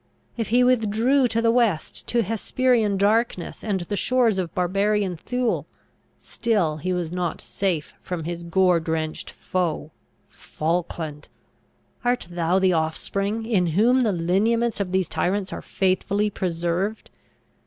If he withdrew to the west, to Hesperian darkness, and the shores of barbarian Thule, still he was not safe from his gore drenched foe. Falkland! art thou the offspring, in whom the lineaments of these tyrants are faithfully preserved?